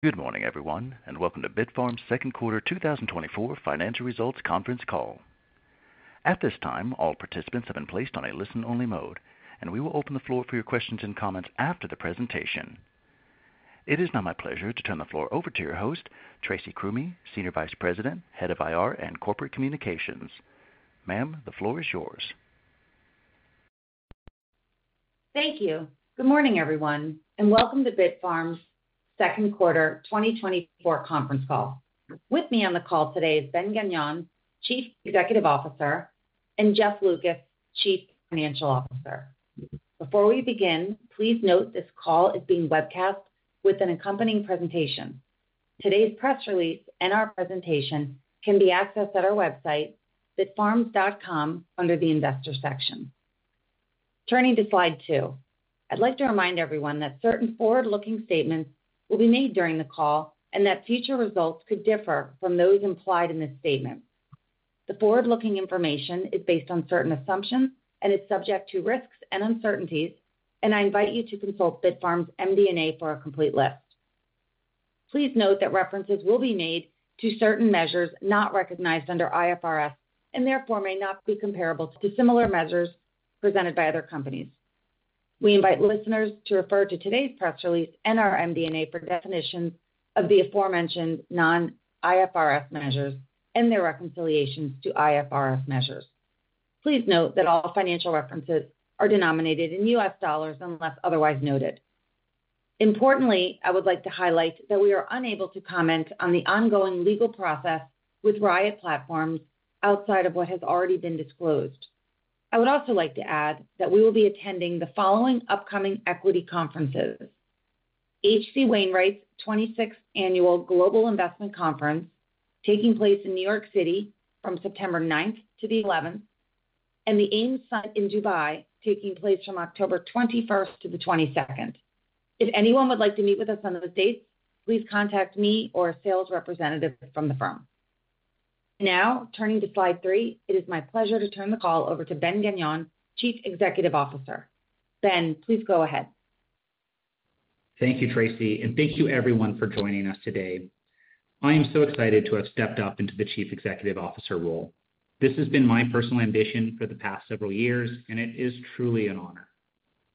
Good morning, everyone, and welcome to Bitfarms' second quarter 2024 financial results conference call. At this time, all participants have been placed on a listen-only mode, and we will open the floor for your questions and comments after the presentation. It is now my pleasure to turn the floor over to your host, Tracy Krumme, Senior Vice President, Head of IR and Corporate Communications. Ma'am, the floor is yours. Thank you. Good morning, everyone, and welcome to Bitfarms' second quarter 2024 conference call. With me on the call today is Ben Gagnon, Chief Executive Officer, and Jeff Lucas, Chief Financial Officer. Before we begin, please note this call is being webcast with an accompanying presentation. Today's press release and our presentation can be accessed at our website, bitfarms.com, under the investor section. Turning to slide 2. I'd like to remind everyone that certain forward-looking statements will be made during the call and that future results could differ from those implied in this statement. The forward-looking information is based on certain assumptions and is subject to risks and uncertainties, and I invite you to consult Bitfarms' MD&A for a complete list. Please note that references will be made to certain measures not recognized under IFRS, and therefore, may not be comparable to similar measures presented by other companies. We invite listeners to refer to today's press release and our MD&A for definitions of the aforementioned non-IFRS measures and their reconciliations to IFRS measures. Please note that all financial references are denominated in U.S. dollars unless otherwise noted. Importantly, I would like to highlight that we are unable to comment on the ongoing legal process with Riot Platforms outside of what has already been disclosed. I would also like to add that we will be attending the following upcoming equity conferences: H.C. Wainwright's 26th Annual Global Investment Conference, taking place in New York City from September 9 to the 11th, and the AIM Summit in Dubai, taking place from October 21 to the 22nd. If anyone would like to meet with us on those dates, please contact me or a sales representative from the firm. Now, turning to slide three, it is my pleasure to turn the call over to Ben Gagnon, Chief Executive Officer. Ben, please go ahead. Thank you, Tracy, and thank you everyone for joining us today. I am so excited to have stepped up into the Chief Executive Officer role. This has been my personal ambition for the past several years, and it is truly an honor.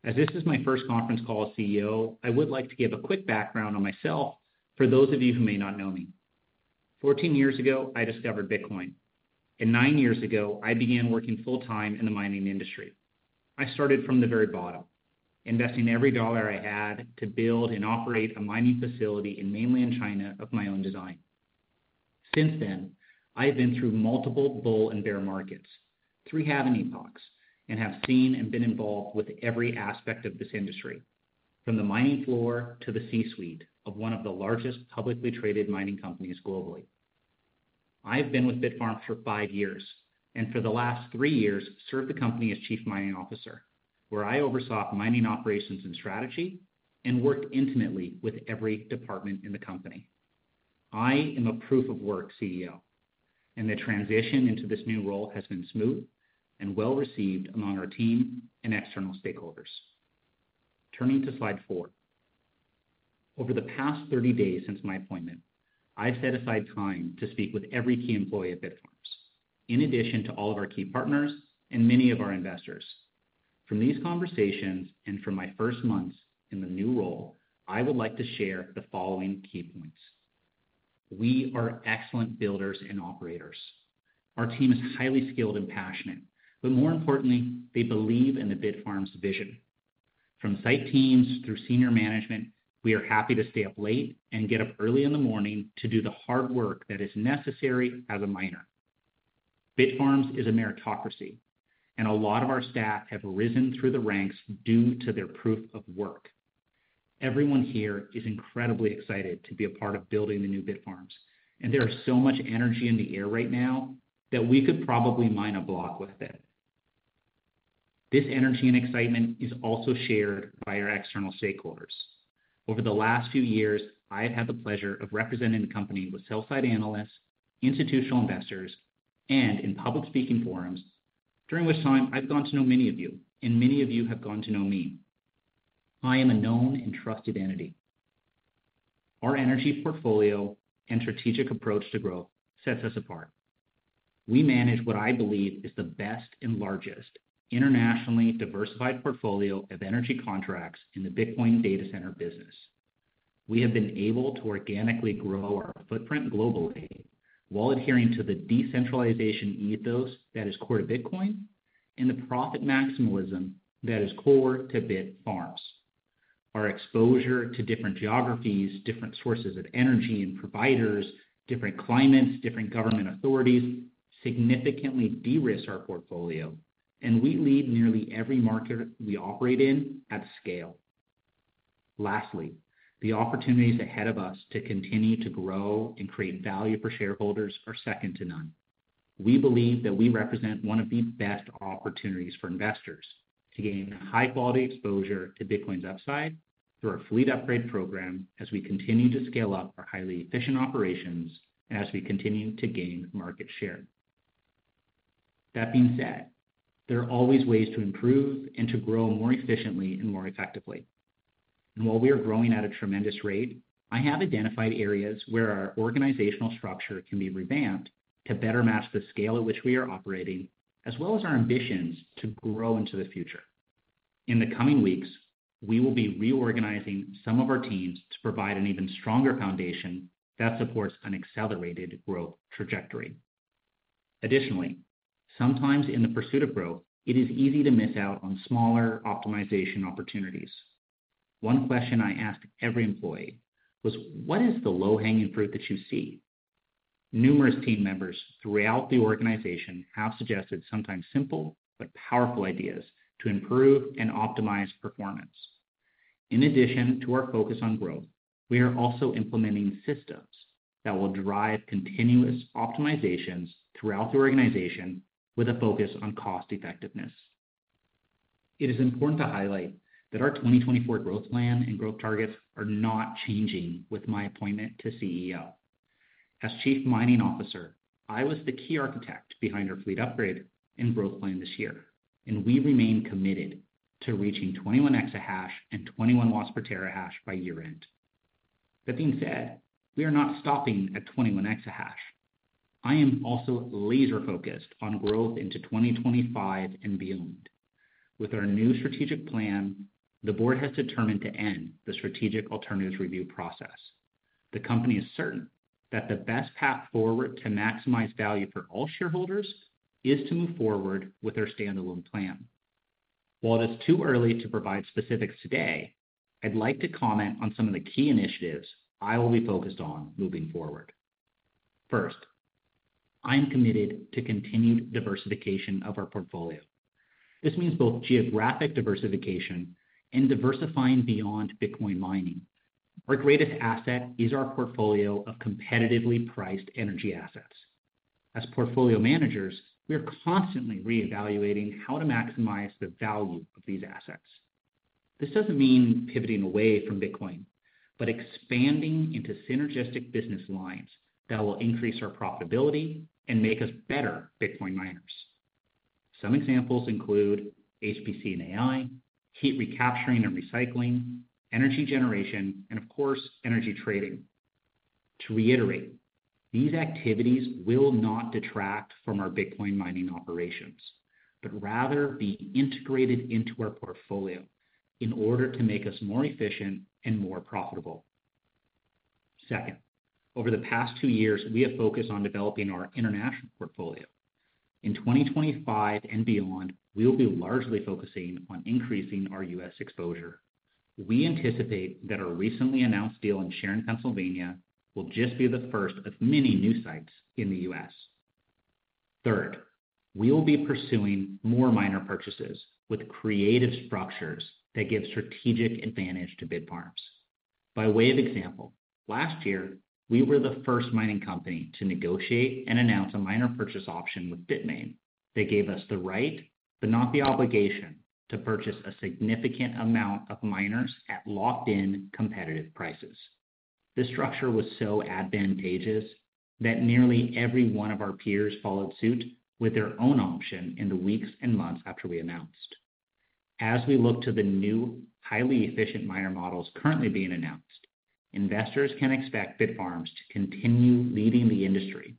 As this is my first conference call as CEO, I would like to give a quick background on myself for those of you who may not know me. 14 years ago, I discovered Bitcoin, and 9 years ago, I began working full-time in the mining industry. I started from the very bottom, investing every dollar I had to build and operate a mining facility in mainland China of my own design. Since then, I have been through multiple bull and bear markets, 3 halving epochs, and have seen and been involved with every aspect of this industry, from the mining floor to the C-suite of one of the largest publicly traded mining companies globally. I've been with Bitfarms for 5 years, and for the last 3 years, served the company as Chief Mining Officer, where I oversaw mining operations and strategy and worked intimately with every department in the company. I am a proof-of-work CEO, and the transition into this new role has been smooth and well-received among our team and external stakeholders. Turning to slide 4. Over the past 30 days since my appointment, I've set aside time to speak with every key employee at Bitfarms, in addition to all of our key partners and many of our investors. From these conversations and from my first months in the new role, I would like to share the following key points. We are excellent builders and operators. Our team is highly skilled and passionate, but more importantly, they believe in the Bitfarms vision. From site teams through senior management, we are happy to stay up late and get up early in the morning to do the hard work that is necessary as a miner. Bitfarms is a meritocracy, and a lot of our staff have risen through the ranks due to their proof of work. Everyone here is incredibly excited to be a part of building the new Bitfarms, and there is so much energy in the air right now that we could probably mine a block with it. This energy and excitement is also shared by our external stakeholders. Over the last few years, I have had the pleasure of representing the company with sell-side analysts, institutional investors, and in public speaking forums, during which time I've gotten to know many of you, and many of you have gotten to know me. I am a known and trusted entity. Our energy portfolio and strategic approach to growth sets us apart. We manage what I believe is the best and largest internationally diversified portfolio of energy contracts in the Bitcoin data center business. We have been able to organically grow our footprint globally while adhering to the decentralization ethos that is core to Bitcoin and the profit maximalism that is core to Bitfarms. Our exposure to different geographies, different sources of energy and providers, different climates, different government authorities, significantly de-risk our portfolio, and we lead nearly every market we operate in at scale. Lastly, the opportunities ahead of us to continue to grow and create value for shareholders are second to none. We believe that we represent one of the best opportunities for investors to gain high-quality exposure to Bitcoin's upside through our fleet upgrade program as we continue to scale up our highly efficient operations and as we continue to gain market share... That being said, there are always ways to improve and to grow more efficiently and more effectively. While we are growing at a tremendous rate, I have identified areas where our organizational structure can be revamped to better match the scale at which we are operating, as well as our ambitions to grow into the future. In the coming weeks, we will be reorganizing some of our teams to provide an even stronger foundation that supports an accelerated growth trajectory. Additionally, sometimes in the pursuit of growth, it is easy to miss out on smaller optimization opportunities. One question I asked every employee was: What is the low-hanging fruit that you see? Numerous team members throughout the organization have suggested sometimes simple, but powerful ideas to improve and optimize performance. In addition to our focus on growth, we are also implementing systems that will drive continuous optimizations throughout the organization with a focus on cost effectiveness. It is important to highlight that our 2024 growth plan and growth targets are not changing with my appointment to CEO. As Chief Mining Officer, I was the key architect behind our fleet upgrade and growth plan this year, and we remain committed to reaching 21 exahash and 21 watts per terahash by year-end. That being said, we are not stopping at 21 exahash. I am also laser-focused on growth into 2025 and beyond. With our new strategic plan, the board has determined to end the strategic alternatives review process. The company is certain that the best path forward to maximize value for all shareholders is to move forward with our standalone plan. While it's too early to provide specifics today, I'd like to comment on some of the key initiatives I will be focused on moving forward. First, I am committed to continued diversification of our portfolio. This means both geographic diversification and diversifying beyond Bitcoin mining. Our greatest asset is our portfolio of competitively priced energy assets. As portfolio managers, we are constantly reevaluating how to maximize the value of these assets. This doesn't mean pivoting away from Bitcoin, but expanding into synergistic business lines that will increase our profitability and make us better Bitcoin miners. Some examples include HPC and AI, heat recapturing and recycling, energy generation, and of course, energy trading. To reiterate, these activities will not detract from our Bitcoin mining operations, but rather be integrated into our portfolio in order to make us more efficient and more profitable. Second, over the past two years, we have focused on developing our international portfolio. In 2025 and beyond, we will be largely focusing on increasing our U.S. exposure. We anticipate that our recently announced deal in Sharon, Pennsylvania, will just be the first of many new sites in the U.S. Third, we will be pursuing more miner purchases with creative structures that give strategic advantage to Bitfarms. By way of example, last year, we were the first mining company to negotiate and announce a miner purchase option with Bitmain that gave us the right, but not the obligation, to purchase a significant amount of miners at locked-in competitive prices. This structure was so advantageous that nearly every one of our peers followed suit with their own option in the weeks and months after we announced. As we look to the new, highly efficient miner models currently being announced, investors can expect Bitfarms to continue leading the industry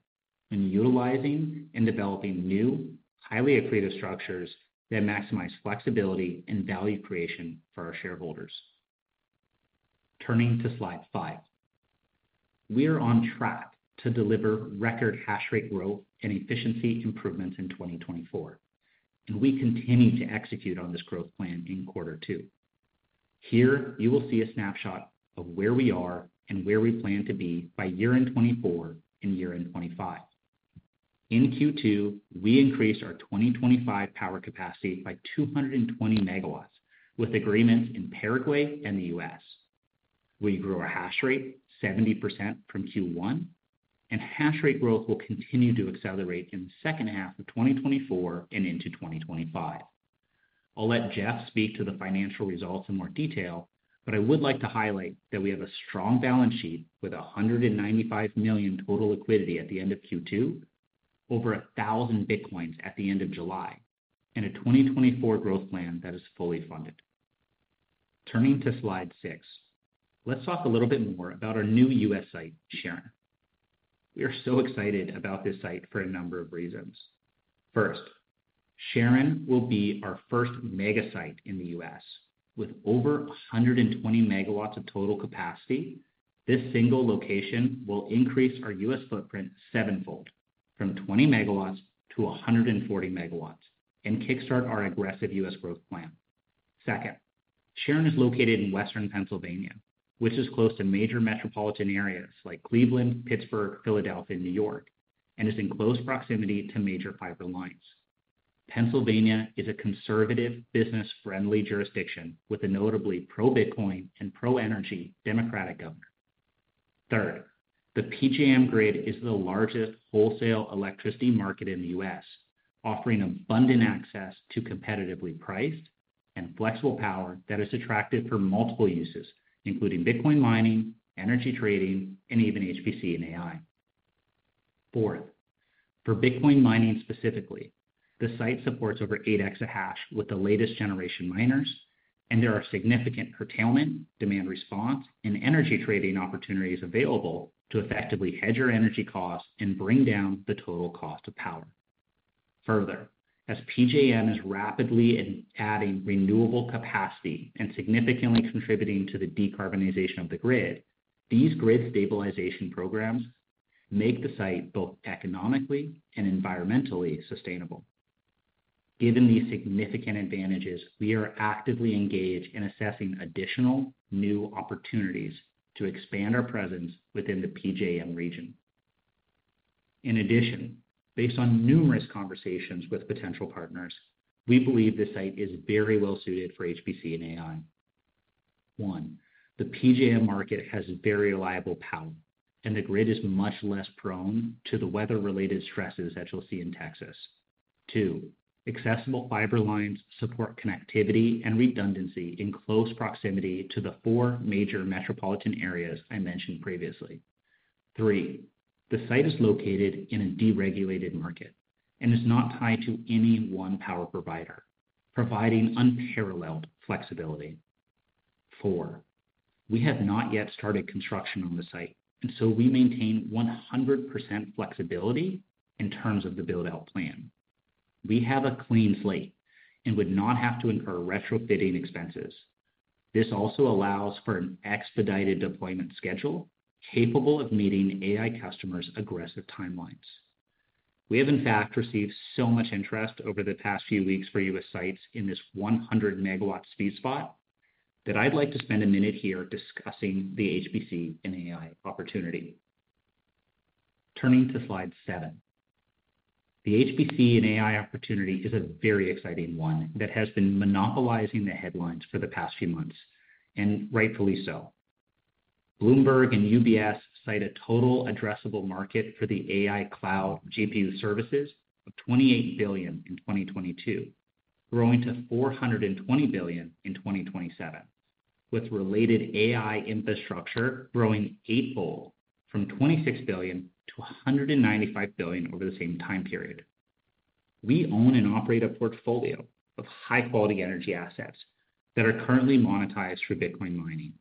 in utilizing and developing new, highly accretive structures that maximize flexibility and value creation for our shareholders. Turning to slide 5. We are on track to deliver record hash rate growth and efficiency improvements in 2024, and we continue to execute on this growth plan in quarter two. Here, you will see a snapshot of where we are and where we plan to be by year-end 2024 and year-end 2025. In Q2, we increased our 2025 power capacity by 220 MW, with agreements in Paraguay and the U.S. We grew our hash rate 70% from Q1, and hash rate growth will continue to accelerate in the second half of 2024 and into 2025. I'll let Jeff speak to the financial results in more detail, but I would like to highlight that we have a strong balance sheet with $195 million total liquidity at the end of Q2, over 1,000 bitcoins at the end of July, and a 2024 growth plan that is fully funded. Turning to slide 6, let's talk a little bit more about our new U.S. site, Sharon. We are so excited about this site for a number of reasons. First, Sharon will be our first mega site in the U.S. With over 120 MW of total capacity, this single location will increase our U.S. footprint sevenfold, from 20 MW to 140 MW, and kickstart our aggressive U.S. growth plan. Second, Sharon is located in western Pennsylvania, which is close to major metropolitan areas like Cleveland, Pittsburgh, Philadelphia, and New York, and is in close proximity to major fiber lines. Pennsylvania is a conservative, business-friendly jurisdiction with a notably pro-Bitcoin and pro-energy Democratic governor. Third, the PJM grid is the largest wholesale electricity market in the U.S., offering abundant access to competitively priced,... and flexible power that is attractive for multiple uses, including Bitcoin mining, energy trading, and even HPC and AI. Fourth, for Bitcoin mining specifically, the site supports over 8 exahash with the latest generation miners, and there are significant curtailment, demand response, and energy trading opportunities available to effectively hedge your energy costs and bring down the total cost of power. Further, as PJM is rapidly adding renewable capacity and significantly contributing to the decarbonization of the grid, these grid stabilization programs make the site both economically and environmentally sustainable. Given these significant advantages, we are actively engaged in assessing additional new opportunities to expand our presence within the PJM region. In addition, based on numerous conversations with potential partners, we believe the site is very well suited for HPC and AI. One, the PJM market has very reliable power, and the grid is much less prone to the weather-related stresses that you'll see in Texas. 2, accessible fiber lines support connectivity and redundancy in close proximity to the four major metropolitan areas I mentioned previously. 3, the site is located in a deregulated market and is not tied to any one power provider, providing unparalleled flexibility. 4, we have not yet started construction on the site, and so we maintain 100% flexibility in terms of the build-out plan. We have a clean slate and would not have to incur retrofitting expenses. This also allows for an expedited deployment schedule, capable of meeting AI customers' aggressive timelines. We have, in fact, received so much interest over the past few weeks for U.S. sites in this 100-megawatt sweet spot, that I'd like to spend a minute here discussing the HPC and AI opportunity. Turning to slide 7. The HPC and AI opportunity is a very exciting one that has been monopolizing the headlines for the past few months, and rightfully so. Bloomberg and UBS cite a total addressable market for the AI cloud GPU services of $28 billion in 2022, growing to $420 billion in 2027, with related AI infrastructure growing eightfold from $26 billion to $195 billion over the same time period. We own and operate a portfolio of high-quality energy assets that are currently monetized through Bitcoin mining.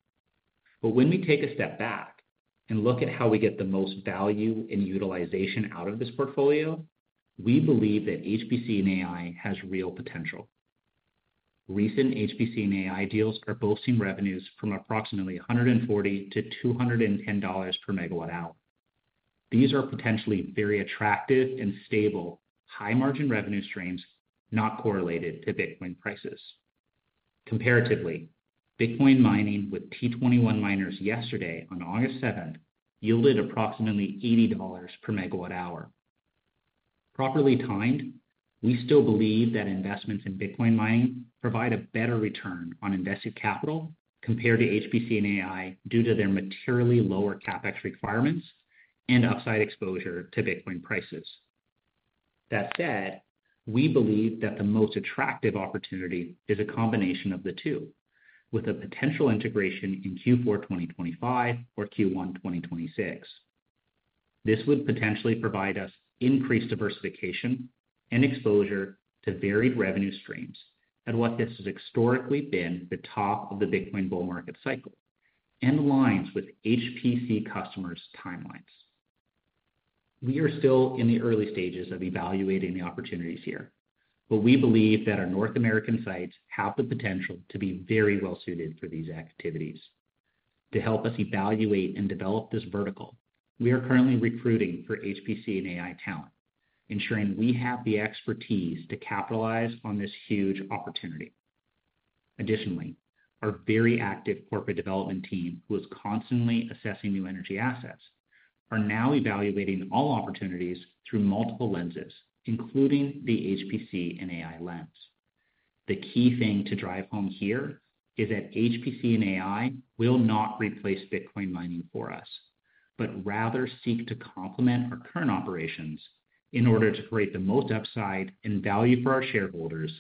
But when we take a step back and look at how we get the most value and utilization out of this portfolio, we believe that HPC and AI has real potential. Recent HPC and AI deals are boasting revenues from approximately $140 to $210 per megawatt hour. These are potentially very attractive and stable, high-margin revenue streams, not correlated to Bitcoin prices. Comparatively, Bitcoin mining with T21 miners yesterday, on August 7, yielded approximately $80 per megawatt-hour. Properly timed, we still believe that investments in Bitcoin mining provide a better return on invested capital compared to HPC and AI, due to their materially lower CapEx requirements and upside exposure to Bitcoin prices. That said, we believe that the most attractive opportunity is a combination of the two, with a potential integration in Q4 2025 or Q1 2026. This would potentially provide us increased diversification and exposure to varied revenue streams at what this has historically been the top of the Bitcoin bull market cycle and aligns with HPC customers' timelines. We are still in the early stages of evaluating the opportunities here, but we believe that our North American sites have the potential to be very well suited for these activities. To help us evaluate and develop this vertical, we are currently recruiting for HPC and AI talent, ensuring we have the expertise to capitalize on this huge opportunity. Additionally, our very active corporate development team, who is constantly assessing new energy assets, are now evaluating all opportunities through multiple lenses, including the HPC and AI lens. The key thing to drive home here is that HPC and AI will not replace Bitcoin mining for us, but rather seek to complement our current operations in order to create the most upside and value for our shareholders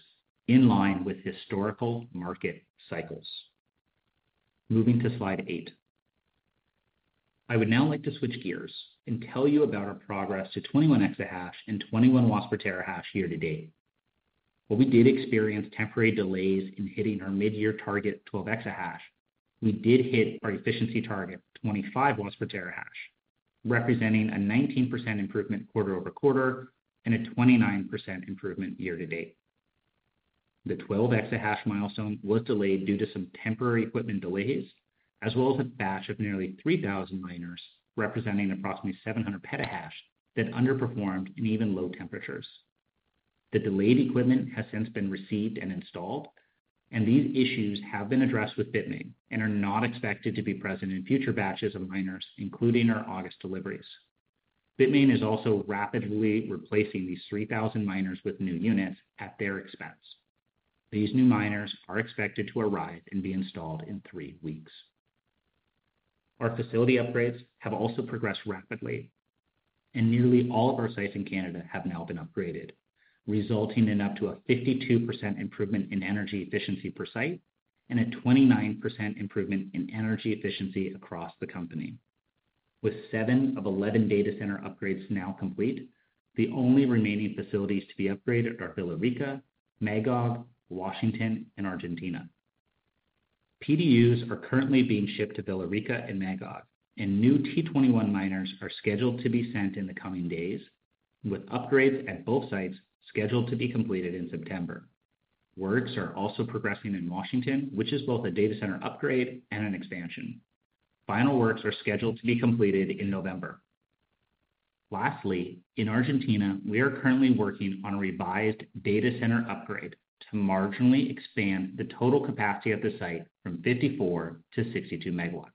in line with historical market cycles. Moving to slide eight. I would now like to switch gears and tell you about our progress to 21 exahash and 21 watts per terahash year to date. While we did experience temporary delays in hitting our mid-year target, 12 exahash, we did hit our efficiency target, 25 watts per terahash, representing a 19% improvement quarter-over-quarter and a 29% improvement year to date. The 12 exahash milestone was delayed due to some temporary equipment delays, as well as a batch of nearly 3,000 miners, representing approximately 700 petahash, that underperformed in even low temperatures. The delayed equipment has since been received and installed, and these issues have been addressed with Bitmain and are not expected to be present in future batches of miners, including our August deliveries. Bitmain is also rapidly replacing these 3,000 miners with new units at their expense. These new miners are expected to arrive and be installed in 3 weeks. Our facility upgrades have also progressed rapidly, and nearly all of our sites in Canada have now been upgraded, resulting in up to a 52% improvement in energy efficiency per site and a 29% improvement in energy efficiency across the company. With 7 of 11 data center upgrades now complete, the only remaining facilities to be upgraded are Villarrica, Magog, Washington, and Argentina. PDUs are currently being shipped to Villarrica and Magog, and new T21 miners are scheduled to be sent in the coming days, with upgrades at both sites scheduled to be completed in September. Works are also progressing in Washington, which is both a data center upgrade and an expansion. Final works are scheduled to be completed in November. Lastly, in Argentina, we are currently working on a revised data center upgrade to marginally expand the total capacity of the site from 54 to 62 MW.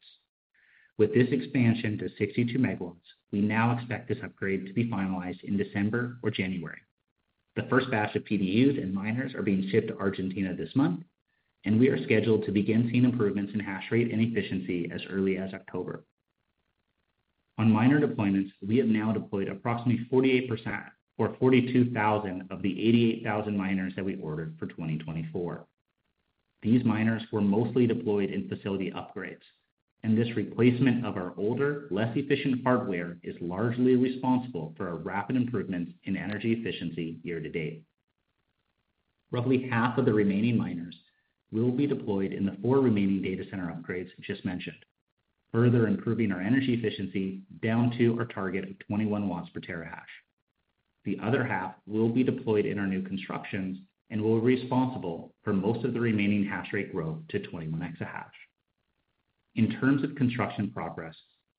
With this expansion to 62 MW, we now expect this upgrade to be finalized in December or January. The first batch of PDUs and miners are being shipped to Argentina this month, and we are scheduled to begin seeing improvements in hash rate and efficiency as early as October. On miner deployments, we have now deployed approximately 48% or 42,000 of the 88,000 miners that we ordered for 2024. These miners were mostly deployed in facility upgrades, and this replacement of our older, less efficient hardware is largely responsible for our rapid improvements in energy efficiency year to date. Roughly half of the remaining miners will be deployed in the four remaining data center upgrades just mentioned, further improving our energy efficiency down to our target of 21 watts per terahash. The other half will be deployed in our new constructions and will be responsible for most of the remaining hash rate growth to 21 exahash. In terms of construction progress,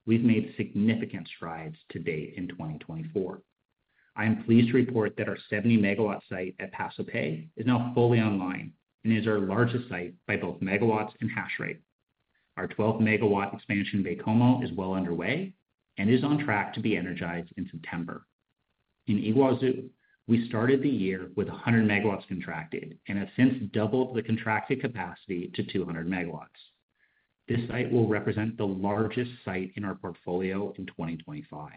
we've made significant strides to date in 2024. I am pleased to report that our 70-megawatt site at Paso Pe is now fully online and is our largest site by both megawatts and hash rate. Our 12-megawatt expansion in Baie-Comeau is well underway and is on track to be energized in September. In Yguazu, we started the year with 100 MW contracted and have since doubled the contracted capacity to 200 MW This site will represent the largest site in our portfolio in 2025.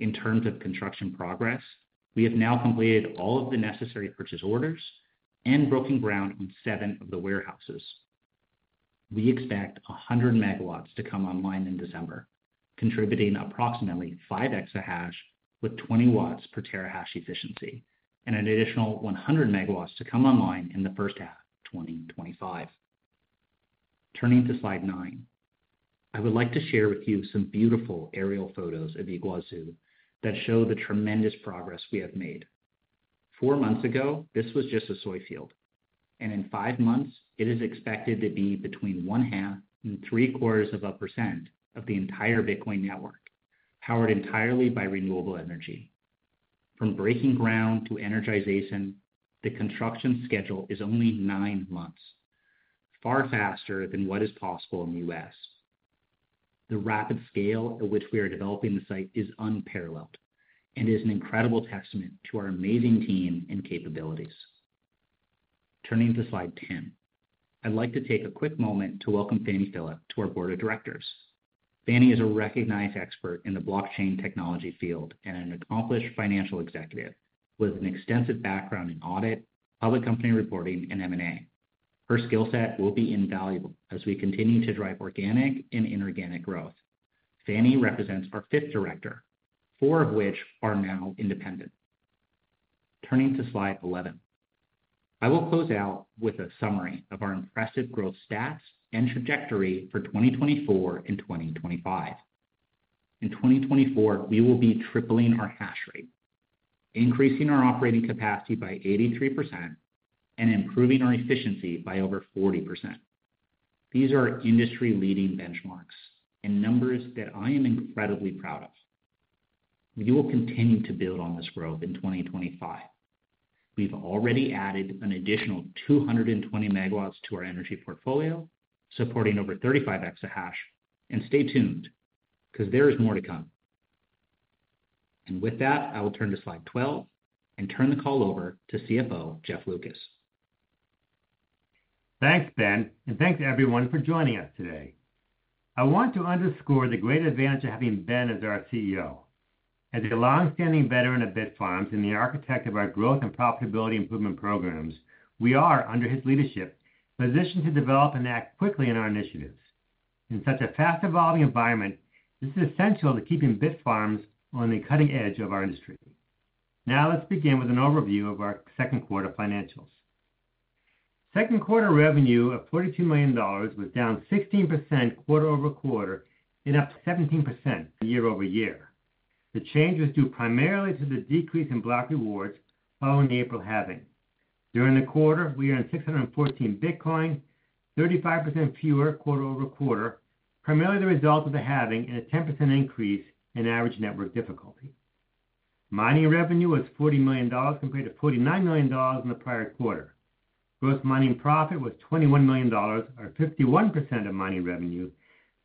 In terms of construction progress, we have now completed all of the necessary purchase orders and broken ground on seven of the warehouses. We expect 100 MW to come online in December, contributing approximately five exahash with 20 W/TH efficiency and an additional 100 MW to come online in the first half of 2025. Turning to slide 9. I would like to share with you some beautiful aerial photos of Yguazu that show the tremendous progress we have made. Four months ago, this was just a soy field, and in five months, it is expected to be between 0.5% and 0.75% of the entire Bitcoin network, powered entirely by renewable energy. From breaking ground to energization, the construction schedule is only nine months, far faster than what is possible in the U.S. The rapid scale at which we are developing the site is unparalleled and is an incredible testament to our amazing team and capabilities. Turning to slide 10. I'd like to take a quick moment to welcome Fanny Philip to our board of directors. Fanny is a recognized expert in the blockchain technology field and an accomplished financial executive with an extensive background in audit, public company reporting, and M&A. Her skill set will be invaluable as we continue to drive organic and inorganic growth. Fanny represents our fifth director, four of which are now independent. Turning to slide 11. I will close out with a summary of our impressive growth stats and trajectory for 2024 and 2025. In 2024, we will be tripling our hash rate, increasing our operating capacity by 83%, and improving our efficiency by over 40%. These are industry-leading benchmarks and numbers that I am incredibly proud of. We will continue to build on this growth in 2025. We've already added an additional 220 MW to our energy portfolio, supporting over 35 exahash. And stay tuned, because there is more to come. And with that, I will turn to slide 12 and turn the call over to CFO Jeff Lucas. Thanks, Ben, and thanks to everyone for joining us today. I want to underscore the great advantage of having Ben as our CEO. As a long-standing veteran of Bitfarms and the architect of our growth and profitability improvement programs, we are, under his leadership, positioned to develop and act quickly in our initiatives. In such a fast-evolving environment, this is essential to keeping Bitfarms on the cutting edge of our industry. Now, let's begin with an overview of our second quarter financials. Second quarter revenue of $42 million was down 16% quarter-over-quarter and up 17% year-over-year. The change was due primarily to the decrease in block rewards following the April halving. During the quarter, we earned 614 Bitcoin, 35% fewer quarter-over-quarter, primarily the result of the halving and a 10% increase in average network difficulty. Mining revenue was $40 million, compared to $49 million in the prior quarter. Gross mining profit was $21 million, or 51% of mining revenue,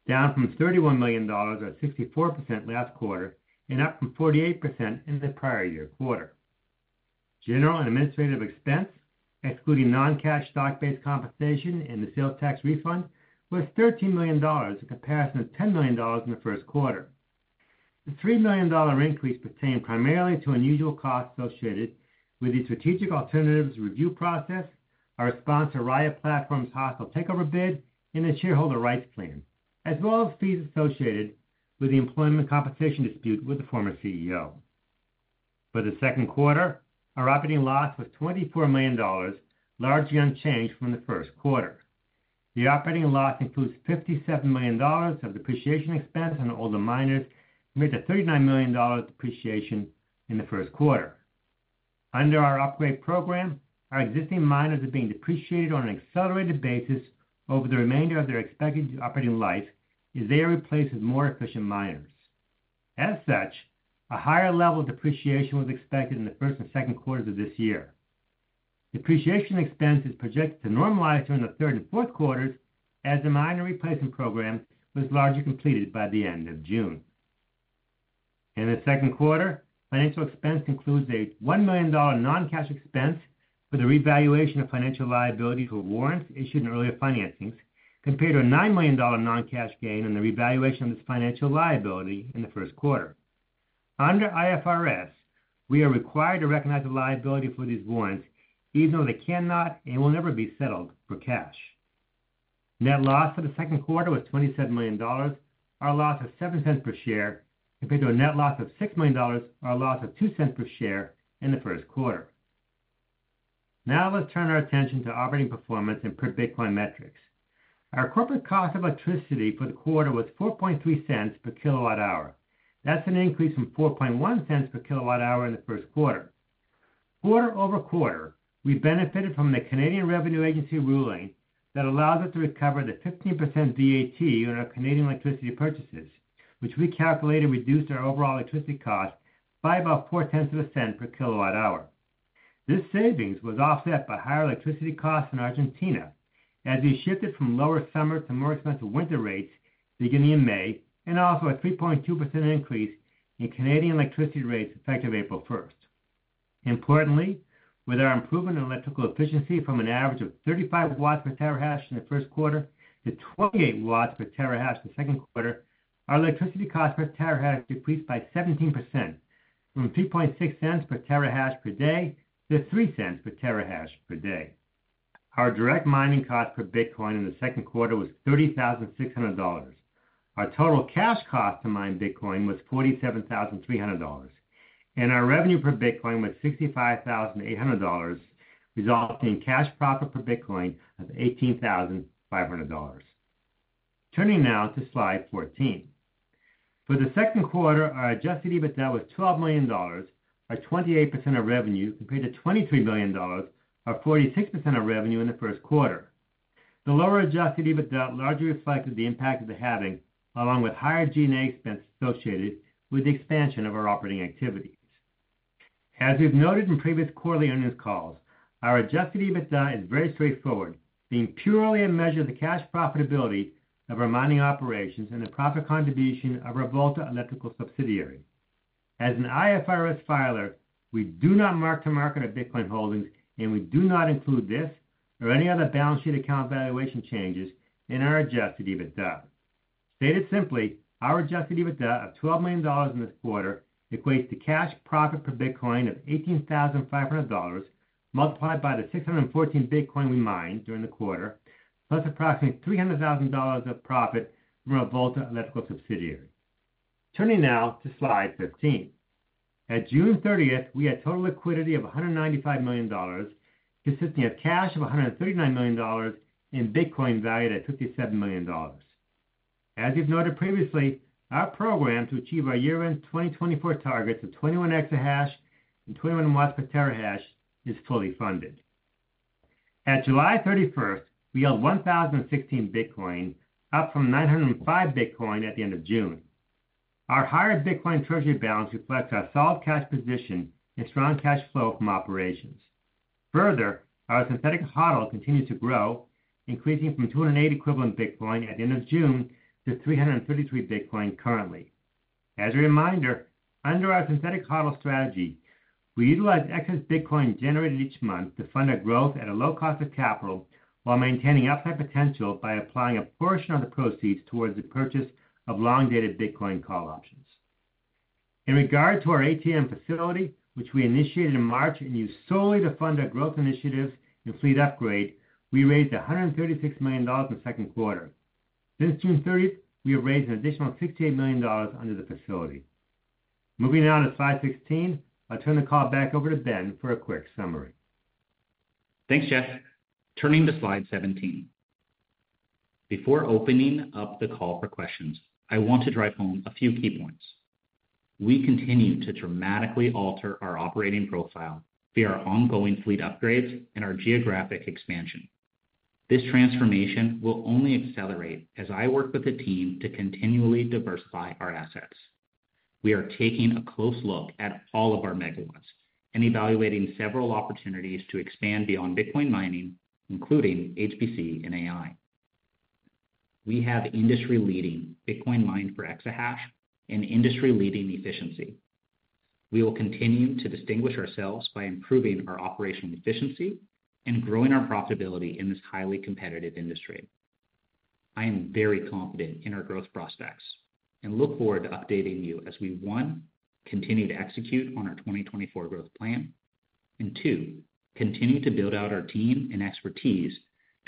down from $31 million, or 64% last quarter, and up from 48% in the prior year quarter. General and administrative expense, excluding non-cash stock-based compensation and the sales tax refund, was $13 million, in comparison to $10 million in the first quarter. The $3 million increase pertained primarily to unusual costs associated with the strategic alternatives review process, our response to Riot Platforms' hostile takeover bid, and the shareholder rights plan, as well as fees associated with the employment compensation dispute with the former CEO. For the second quarter, our operating loss was $24 million, largely unchanged from the first quarter. The operating loss includes $57 million of depreciation expense on older miners, compared to $39 million depreciation in the first quarter. Under our upgrade program, our existing miners are being depreciated on an accelerated basis over the remainder of their expected operating life, as they are replaced with more efficient miners. As such, a higher level of depreciation was expected in the first and second quarters of this year. Depreciation expense is projected to normalize during the third and fourth quarters, as the miner replacement program was largely completed by the end of June. In the second quarter, financial expense includes a $1 million non-cash expense for the revaluation of financial liabilities or warrants issued in earlier financings, compared to a $9 million non-cash gain in the revaluation of this financial liability in the first quarter. Under IFRS, we are required to recognize a liability for these warrants, even though they cannot and will never be settled for cash. Net loss for the second quarter was $27 million. Our loss of $0.07 per share, compared to a net loss of $6 million, or a loss of $0.02 per share in the first quarter. Now let's turn our attention to operating performance and per Bitcoin metrics. Our corporate cost of electricity for the quarter was $0.043/kWh. That's an increase from $0.041/kWh in the first quarter. Quarter-over-quarter, we benefited from the Canadian Revenue Agency ruling that allows us to recover the 15% VAT on our Canadian electricity purchases, which we calculated reduced our overall electricity cost by about $0.004/kWh. This savings was offset by higher electricity costs in Argentina, as we shifted from lower summer to more expensive winter rates beginning in May, and also a 3.2% increase in Canadian electricity rates effective April first. Importantly, with our improvement in electrical efficiency from an average of 35 W/TH in the first quarter to 28 W/TH in the second quarter, our electricity cost per terahash decreased by 17%, from $0.026/TH/day to $0.03/TH/day. Our direct mining cost per Bitcoin in the second quarter was $30,600. Our total cash cost to mine Bitcoin was $47,300, and our revenue per Bitcoin was $65,800, resulting in cash profit per Bitcoin of $18,500. Turning now to slide 14. For the second quarter, our adjusted EBITDA was $12 million, or 28% of revenue, compared to $23 million, or 46% of revenue in the first quarter. The lower adjusted EBITDA largely reflected the impact of the halving, along with higher G&A expenses associated with the expansion of our operating activities. As we've noted in previous quarterly earnings calls, our adjusted EBITDA is very straightforward, being purely a measure of the cash profitability of our mining operations and the profit contribution of our Volta electrical subsidiary. As an IFRS filer, we do not mark to market our Bitcoin holdings, and we do not include this or any other balance sheet account valuation changes in our adjusted EBITDA. Stated simply, our adjusted EBITDA of $12 million in this quarter equates to cash profit per bitcoin of $18,500, multiplied by the 614 bitcoin we mined during the quarter, plus approximately $300,000 of profit from our Volta electrical subsidiary. Turning now to slide 15. At June thirtieth, we had total liquidity of $195 million, consisting of cash of $139 million, and bitcoin valued at $57 million. As we've noted previously, our program to achieve our year-end 2024 targets of 21 exahash and 21 watts per terahash is fully funded. As of July 31, we held 1,016 bitcoin, up from 905 bitcoin at the end of June. Our higher bitcoin treasury balance reflects our solid cash position and strong cash flow from operations. Further, our Synthetic HODL continues to grow, increasing from 208 equivalent bitcoin at the end of June to 333 bitcoin currently. As a reminder, under our Synthetic HODL strategy, we utilize excess bitcoin generated each month to fund our growth at a low cost of capital while maintaining upside potential by applying a portion of the proceeds towards the purchase of long-dated bitcoin call options. In regard to our ATM facility, which we initiated in March and used solely to fund our growth initiatives and fleet upgrade, we raised $136 million in the second quarter. Since June 30, we have raised an additional $68 million under the facility. Moving now to slide 16. I'll turn the call back over to Ben for a quick summary. Thanks, Jeff. Turning to slide 17. Before opening up the call for questions, I want to drive home a few key points. We continue to dramatically alter our operating profile via our ongoing fleet upgrades and our geographic expansion. This transformation will only accelerate as I work with the team to continually diversify our assets. We are taking a close look at all of our mega trends and evaluating several opportunities to expand beyond Bitcoin mining, including HPC and AI... We have industry-leading Bitcoin mined per exahash and industry-leading efficiency. We will continue to distinguish ourselves by improving our operational efficiency and growing our profitability in this highly competitive industry. I am very confident in our growth prospects and look forward to updating you as we, 1, continue to execute on our 2024 growth plan, and 2, continue to build out our team and expertise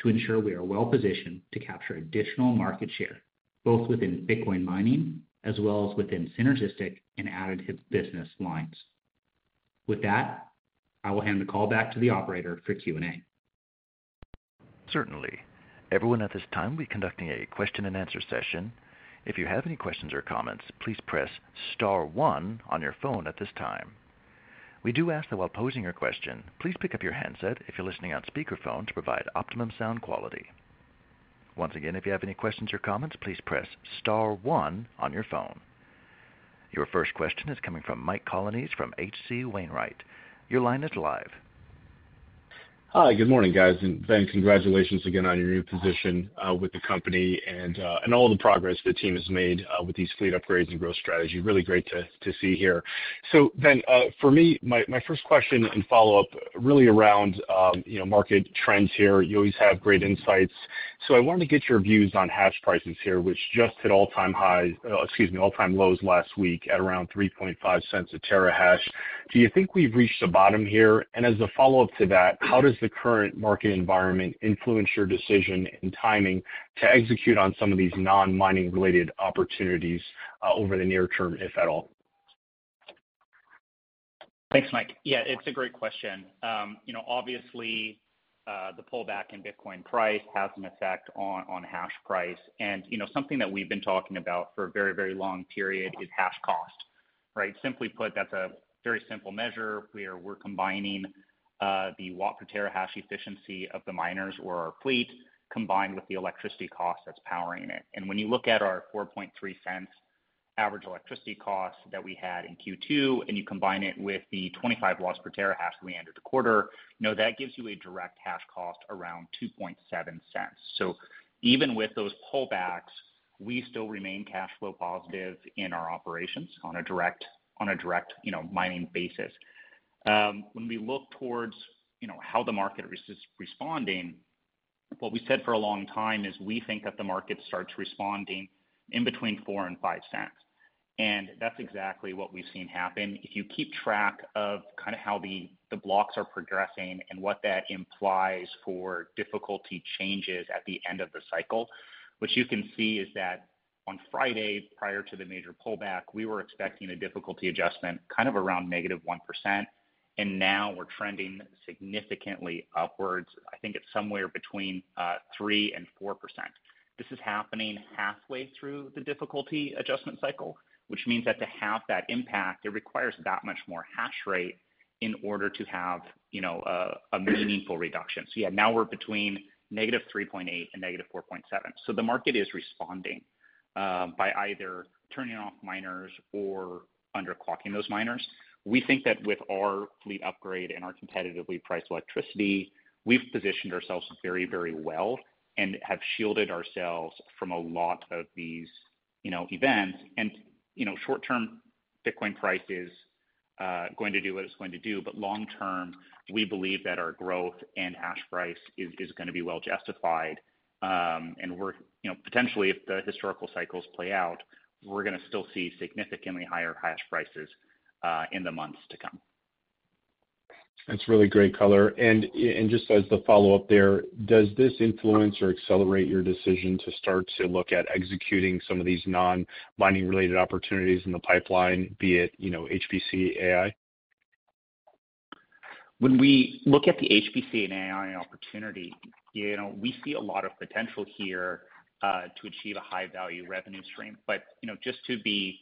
to ensure we are well-positioned to capture additional market share, both within Bitcoin mining as well as within synergistic and additive business lines. With that, I will hand the call back to the operator for Q&A. Certainly. Everyone, at this time, we're conducting a question-and-answer session. If you have any questions or comments, please press star one on your phone at this time. We do ask that while posing your question, please pick up your handset if you're listening on speakerphone, to provide optimum sound quality. Once again, if you have any questions or comments, please press star one on your phone. Your first question is coming from Mike Colonnese from H.C. Wainwright. Your line is live. Hi, good morning, guys. Ben, congratulations again on your new position with the company and all the progress the team has made with these fleet upgrades and growth strategy. Really great to see here. So Ben, for me, my first question and follow-up really around, you know, market trends here. You always have great insights. So I wanted to get your views on hash prices here, which just hit all-time high, excuse me, all-time lows last week at around $0.035 a terahash. Do you think we've reached a bottom here? And as a follow-up to that, how does the current market environment influence your decision and timing to execute on some of these non-mining-related opportunities over the near term, if at all? Thanks, Mike. Yeah, it's a great question. You know, obviously, the pullback in Bitcoin price has an effect on, on hash price. And, you know, something that we've been talking about for a very, very long period is hash cost, right? Simply put, that's a very simple measure where we're combining the watt per terahash efficiency of the miners or our fleet, combined with the electricity cost that's powering it. And when you look at our $0.043 average electricity cost that we had in Q2, and you combine it with the 25 watts per terahash we entered the quarter, you know, that gives you a direct hash cost around $0.027. So even with those pullbacks, we still remain cash flow positive in our operations on a direct, on a direct, you know, mining basis. When we look towards, you know, how the market is responding, what we said for a long time is we think that the market starts responding in between $0.04 and $0.05. That's exactly what we've seen happen. If you keep track of kind of how the blocks are progressing and what that implies for difficulty changes at the end of the cycle, what you can see is that on Friday, prior to the major pullback, we were expecting a difficulty adjustment kind of around -1%, and now we're trending significantly upwards. I think it's somewhere between 3% and 4%. This is happening halfway through the difficulty adjustment cycle, which means that to have that impact, it requires that much more hash rate in order to have, you know, a meaningful reduction. So yeah, now we're between -3.8 and -4.7. So the market is responding by either turning off miners or underclocking those miners. We think that with our fleet upgrade and our competitively priced electricity, we've positioned ourselves very, very well and have shielded ourselves from a lot of these, you know, events. And, you know, short term, Bitcoin price is going to do what it's going to do, but long term, we believe that our growth and hash price is gonna be well justified. And we're you know, potentially, if the historical cycles play out, we're gonna still see significantly higher hash prices in the months to come. That's really great color. And just as the follow-up there, does this influence or accelerate your decision to start to look at executing some of these non-mining related opportunities in the pipeline, be it, you know, HPC, AI? When we look at the HPC and AI opportunity, you know, we see a lot of potential here, to achieve a high-value revenue stream. But, you know, just to be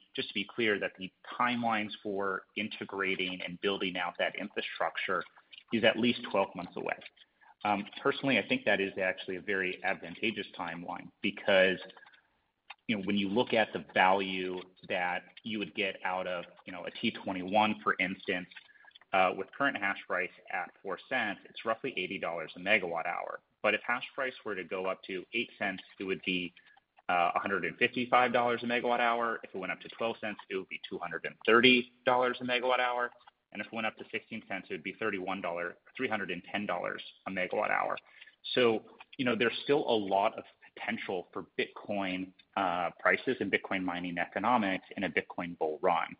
clear, that the timelines for integrating and building out that infrastructure is at least 12 months away. Personally, I think that is actually a very advantageous timeline, because, you know, when you look at the value that you would get out of, you know, a T21, for instance, with current hash price at $0.04, it's roughly $80 a megawatt hour. But if hash price were to go up to $0.08, it would be, a hundred and fifty-five dollars a megawatt hour. If it went up to $0.12, it would be two hundred and thirty dollars a megawatt hour. And if it went up to 16 cents, it would be $31-- $310 a megawatt-hour. So, you know, there's still a lot of potential for Bitcoin prices and Bitcoin mining economics in a Bitcoin bull run.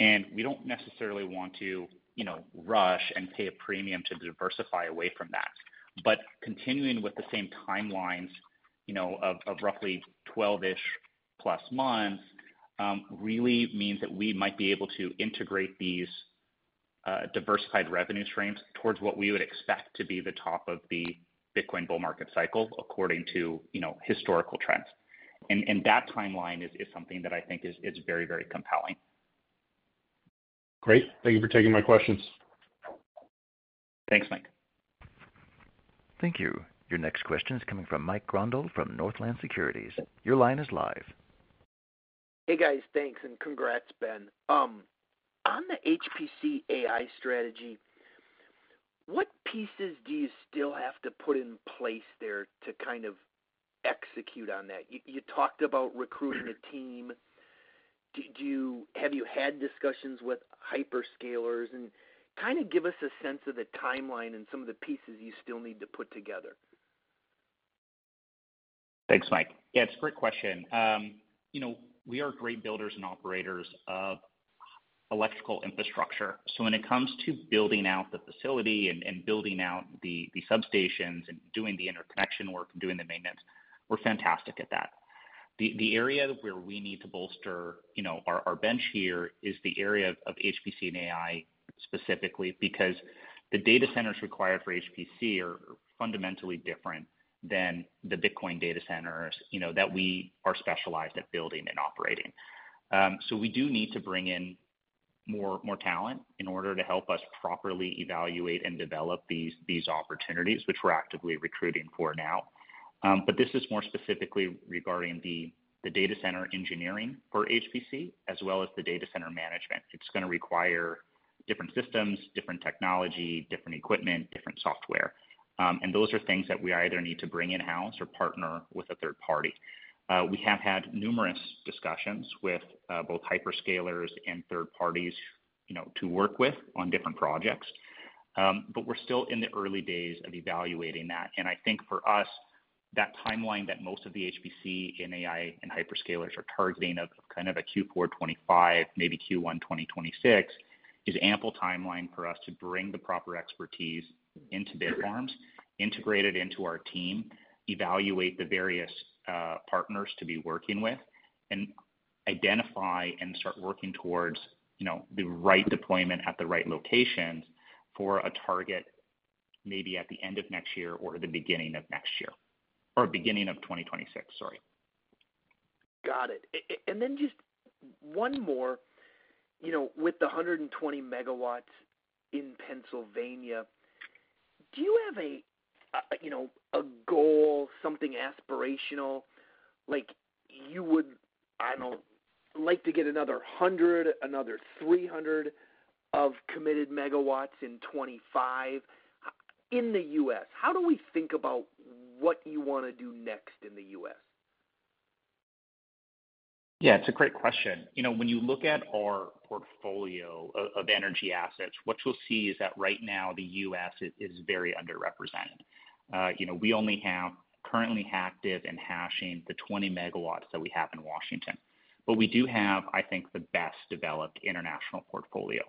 And we don't necessarily want to, you know, rush and pay a premium to diversify away from that. But continuing with the same timelines, you know, of roughly 12-ish + months, really means that we might be able to integrate these diversified revenue streams towards what we would expect to be the top of the Bitcoin bull market cycle, according to, you know, historical trends. And that timeline is something that I think is very, very compelling. Great. Thank you for taking my questions. Thanks, Mike. Thank you. Your next question is coming from Mike Grondahl from Northland Securities. Your line is live. Hey, guys. Thanks, and congrats, Ben. On the HPC AI strategy, what pieces do you still have to put in place there to kind of execute on that? You talked about recruiting a team. Have you had discussions with hyperscalers? And kind of give us a sense of the timeline and some of the pieces you still need to put together. Thanks, Mike. Yeah, it's a great question. You know, we are great builders and operators of electrical infrastructure. So when it comes to building out the facility and building out the substations and doing the interconnection work and doing the maintenance, we're fantastic at that. The area where we need to bolster, you know, our bench here is the area of HPC and AI, specifically because the data centers required for HPC are fundamentally different than the Bitcoin data centers, you know, that we are specialized at building and operating. So we do need to bring in more talent in order to help us properly evaluate and develop these opportunities, which we're actively recruiting for now. But this is more specifically regarding the data center engineering for HPC, as well as the data center management. It's gonna require different systems, different technology, different equipment, different software. Those are things that we either need to bring in-house or partner with a third party. We have had numerous discussions with both hyperscalers and third parties, you know, to work with on different projects, but we're still in the early days of evaluating that. I think for us, that timeline that most of the HPC and AI and hyperscalers are targeting of kind of a Q4 2025, maybe Q1 2026, is ample timeline for us to bring the proper expertise into Bitfarms, integrate it into our team, evaluate the various, partners to be working with, and identify and start working towards, you know, the right deployment at the right locations for a target, maybe at the end of next year or the beginning of next year, or beginning of 2026, sorry. Got it. And then just one more. You know, with the 120 MW in Pennsylvania, do you have a, you know, a goal, something aspirational, like you would, I don't know, like to get another 100, another 300 of committed megawatts in 2025 in the US? How do we think about what you wanna do next in the US? Yeah, it's a great question. You know, when you look at our portfolio of energy assets, what you'll see is that right now the U.S. is very underrepresented. You know, we only have currently active and hashing the 20 MW that we have in Washington. But we do have, I think, the best-developed international portfolio.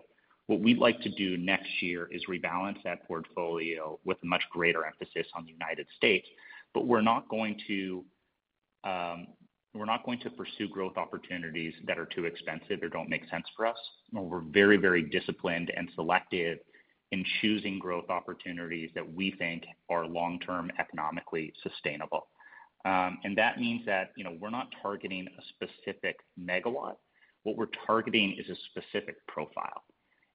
What we'd like to do next year is rebalance that portfolio with a much greater emphasis on the United States. But we're not going to, we're not going to pursue growth opportunities that are too expensive or don't make sense for us. We're very, very disciplined and selective in choosing growth opportunities that we think are long-term economically sustainable. And that means that, you know, we're not targeting a specific megawatt. What we're targeting is a specific profile,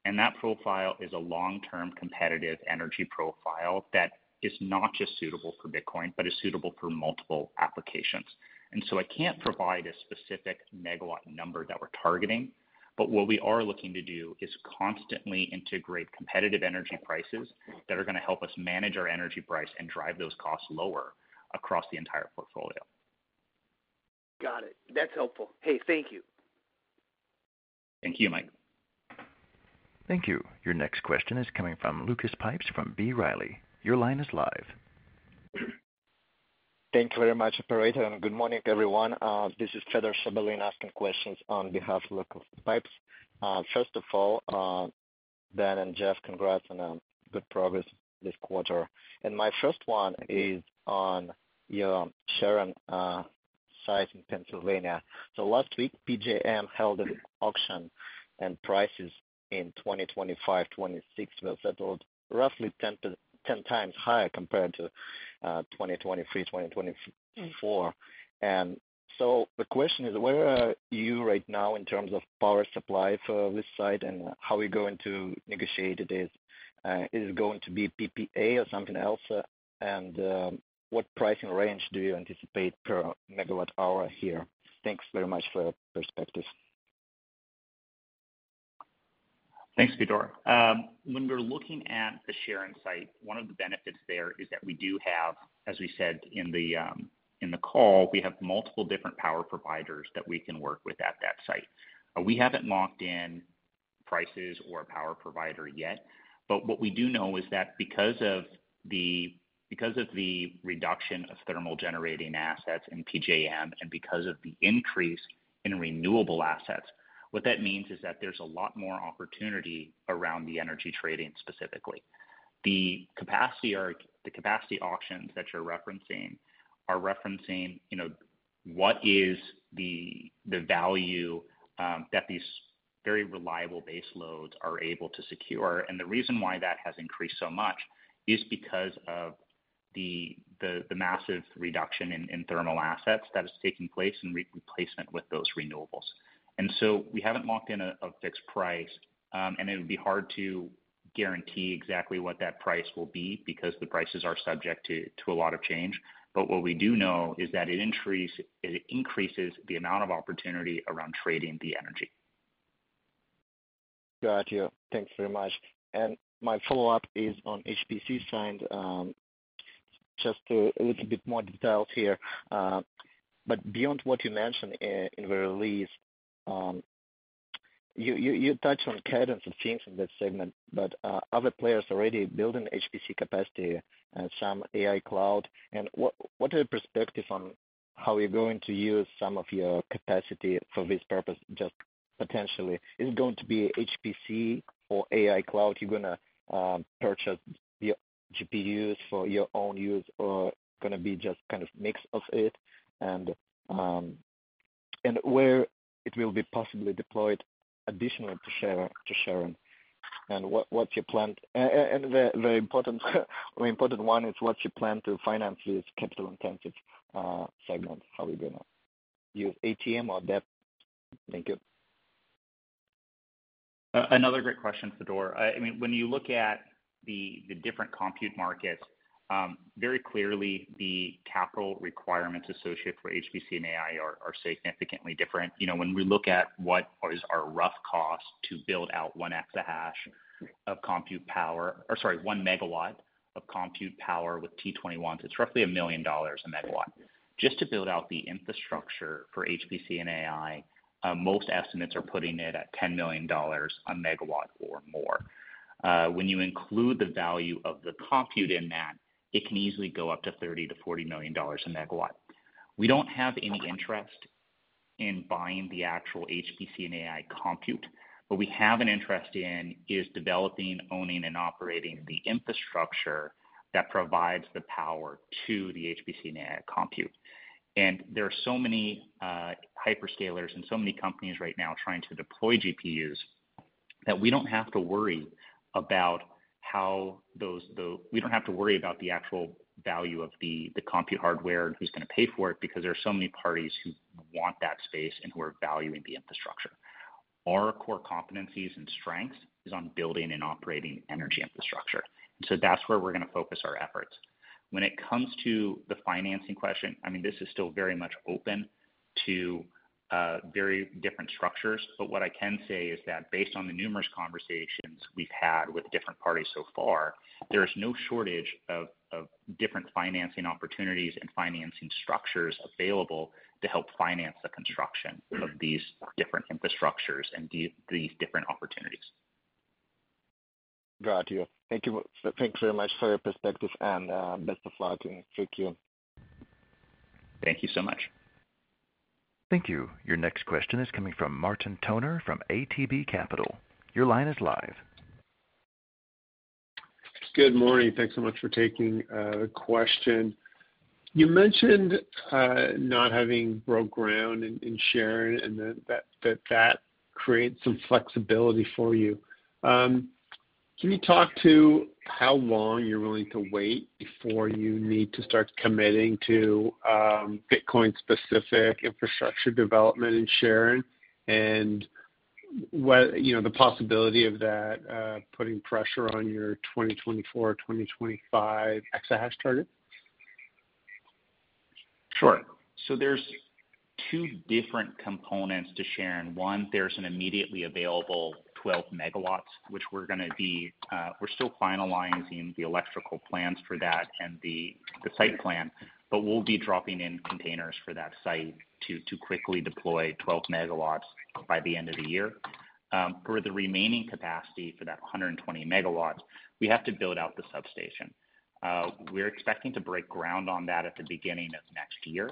and that profile is a long-term, competitive energy profile that is not just suitable for Bitcoin, but is suitable for multiple applications. And so I can't provide a specific megawatt number that we're targeting, but what we are looking to do is constantly integrate competitive energy prices that are gonna help us manage our energy price and drive those costs lower across the entire portfolio. Got it. That's helpful. Hey, thank you. Thank you, Mike. Thank you. Your next question is coming from Lucas Pipes from B. Riley. Your line is live. Thank you very much, operator, and good morning, everyone. This is Fedor Shabalin asking questions on behalf of Lucas Pipes. First of all, Ben and Jeff, congrats on good progress this quarter. My first one is on your Sharon site in Pennsylvania. So last week, PJM held an auction, and prices in 2025, 2026 were settled roughly 10 times higher compared to 2023, 2024. So the question is: Where are you right now in terms of power supply for this site, and how are we going to negotiate this? Is it going to be PPA or something else? And what pricing range do you anticipate per megawatt hour here? Thanks very much for your perspectives. Thanks, Fedor. When we're looking at the Sharon site, one of the benefits there is that we do have, as we said in the, in the call, we have multiple different power providers that we can work with at that site. We haven't locked in prices or a power provider yet, but what we do know is that because of the reduction of thermal generating assets in PJM and because of the increase in renewable assets, what that means is that there's a lot more opportunity around the energy trading, specifically. The capacity auctions that you're referencing are, you know, what is the value that these very reliable base loads are able to secure? The reason why that has increased so much is because of the massive reduction in thermal assets that is taking place and replacement with those renewables. So we haven't locked in a fixed price, and it would be hard to guarantee exactly what that price will be because the prices are subject to a lot of change. But what we do know is that it increases the amount of opportunity around trading the energy. Got you. Thanks very much. And my follow-up is on HPC side. Just to a little bit more details here. But beyond what you mentioned in the release, you touched on cadence of things in that segment, but other players are already building HPC capacity and some AI cloud. And what are the perspective on how you're going to use some of your capacity for this purpose, just potentially? Is it going to be HPC or AI cloud you're gonna purchase your GPUs for your own use, or gonna be just kind of mix of it? And where it will be possibly deployed additionally to Sharon, and what's your plan? And the important one is what's your plan to finance this capital-intensive segment? How are we gonna use ATM or debt? Thank you. Another great question, Fedor. I mean, when you look at the different compute markets, very clearly, the capital requirements associated for HPC and AI are significantly different. You know, when we look at what is our rough cost to build out 1 exahash of compute power—or sorry, 1 MW of compute power with T21, it's roughly $1 million a megawatt. Just to build out the infrastructure for HPC and AI, most estimates are putting it at $10 million a megawatt or more. When you include the value of the compute in that, it can easily go up to $30 million-$40 million a megawatt. We don't have any interest in buying the actual HPC and AI compute, but we have an interest in is developing, owning, and operating the infrastructure that provides the power to the HPC and AI compute. And there are so many hyperscalers and so many companies right now trying to deploy GPUs, that we don't have to worry about the actual value of the compute hardware and who's gonna pay for it, because there are so many parties who want that space and who are valuing the infrastructure. Our core competencies and strengths is on building and operating energy infrastructure. So that's where we're gonna focus our efforts. When it comes to the financing question, I mean, this is still very much open to very different structures. But what I can say is that based on the numerous conversations we've had with different parties so far, there is no shortage of different financing opportunities and financing structures available to help finance the construction of these different infrastructures and these different opportunities. Got you. Thank you. Thanks very much for your perspective and best of luck. Thank you. Thank you so much. Thank you. Your next question is coming from Martin Toner, from ATB Capital. Your line is live. Good morning. Thanks so much for taking the question. You mentioned not having broke ground in Sharon and that creates some flexibility for you. Can you talk to how long you're willing to wait before you need to start committing to Bitcoin-specific infrastructure development in Sharon? And what you know, the possibility of that putting pressure on your 2024, 2025 exahash target? Sure. So there are two different components to Sharon. One, there's an immediately available 12 MW, which we're gonna be. We're still finalizing the electrical plans for that and the site plan, but we'll be dropping in containers for that site to quickly deploy 12 MW by the end of the year. For the remaining capacity, for that 120 MW, we have to build out the substation. We're expecting to break ground on that at the beginning of next year.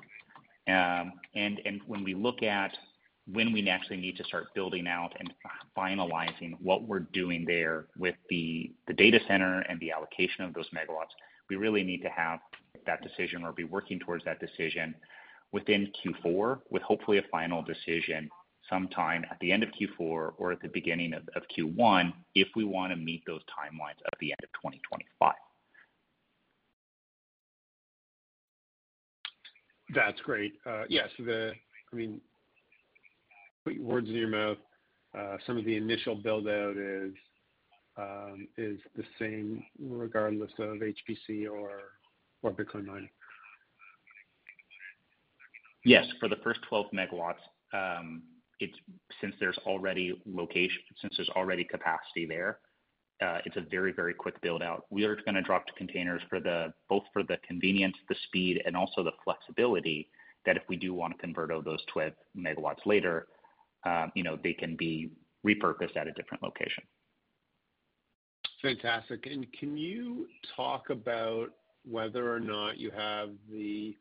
And when we look at when we naturally need to start building out and finalizing what we're doing there with the data center and the allocation of those megawatts, we really need to have that decision or be working towards that decision within Q4, with hopefully a final decision sometime at the end of Q4 or at the beginning of Q1, if we wanna meet those timelines at the end of 2025. That's great. Yes, I mean, put words in your mouth. Some of the initial build-out is, is the same, regardless of HPC or, or Bitcoin mining. Yes, for the first 12 MW, it's since there's already location, since there's already capacity there, it's a very, very quick build-out. We are gonna drop the containers for both for the convenience, the speed, and also the flexibility that if we do want to convert all those 12 MW later, you know, they can be repurposed at a different location. Fantastic. And can you talk about whether or not you have the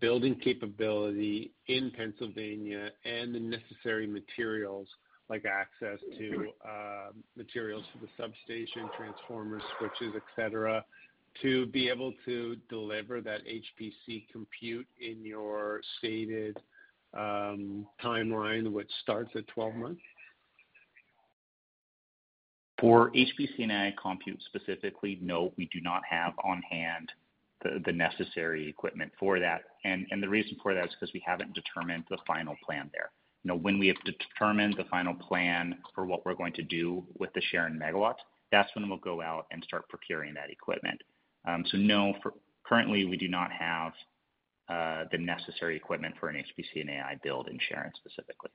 building capability in Pennsylvania and the necessary materials, like access to materials for the substation, transformers, switches, et cetera, to be able to deliver that HPC compute in your stated timeline, which starts at 12 months? For HPC and AI compute specifically, no, we do not have on hand the necessary equipment for that. And the reason for that is because we haven't determined the final plan there. Now, when we have determined the final plan for what we're going to do with the Sharon megawatts, that's when we'll go out and start procuring that equipment. So no, for currently, we do not have the necessary equipment for an HPC and AI build in Sharon, specifically.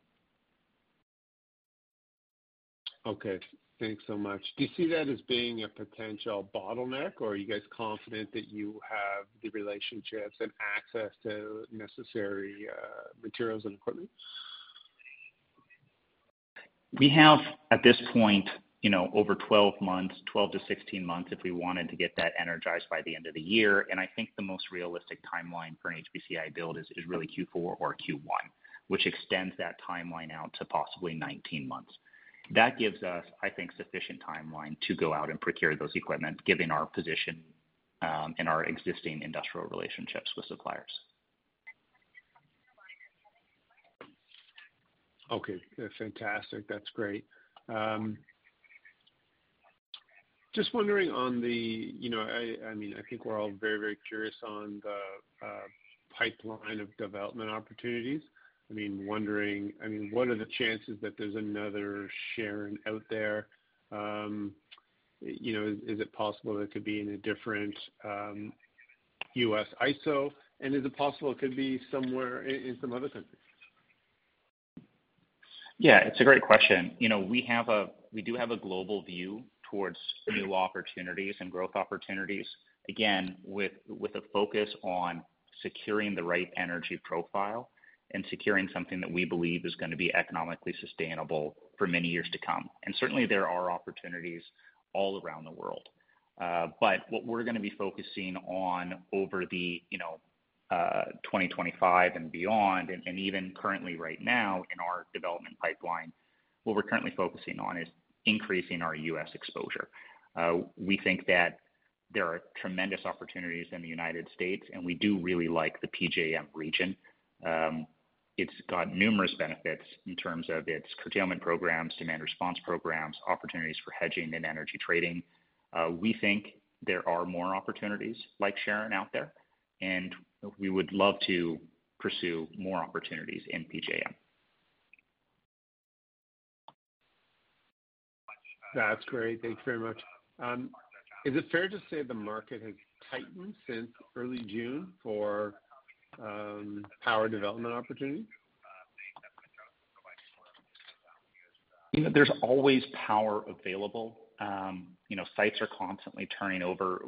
Okay, thanks so much. Do you see that as being a potential bottleneck, or are you guys confident that you have the relationships and access to necessary materials and equipment? We have, at this point, you know, over 12 months, 12-16 months, if we wanted to get that energized by the end of the year. And I think the most realistic timeline for an HPC AI build is really Q4 or Q1, which extends that timeline out to possibly 19 months. That gives us, I think, sufficient timeline to go out and procure those equipment, given our position, and our existing industrial relationships with suppliers. Okay, fantastic. That's great. Just wondering on the... You know, I mean, I think we're all very, very curious on the pipeline of development opportunities. I mean, wondering, I mean, what are the chances that there's another Sharon out there? You know, is it possible it could be in a different U.S. ISO? And is it possible it could be somewhere in some other countries? Yeah, it's a great question. You know, we have a-- we do have a global view towards new opportunities and growth opportunities, again, with, with a focus on securing the right energy profile and securing something that we believe is gonna be economically sustainable for many years to come. And certainly, there are opportunities all around the world. But what we're gonna be focusing on over the, you know, 2025 and beyond, and, and even currently right now in our development pipeline, what we're currently focusing on is increasing our U.S. exposure. We think that there are tremendous opportunities in the United States, and we do really like the PJM region. It's got numerous benefits in terms of its curtailment programs, demand response programs, opportunities for hedging and energy trading. We think there are more opportunities like Sharon out there, and we would love to pursue more opportunities in PJM. That's great. Thank you very much. Is it fair to say the market has tightened since early June for power development opportunities? You know, there's always power available. You know, sites are constantly turning over.